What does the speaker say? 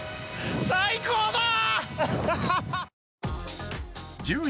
最高だー！